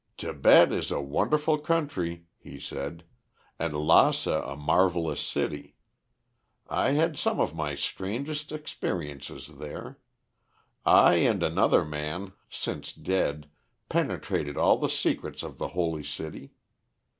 "Tibet is a wonderful country," he said, "and Lassa a marvelous city. I had some of my strangest experiences there. I and another man, since dead, penetrated all the secrets of the Holy City.